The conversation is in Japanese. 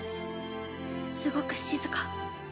すごく静か。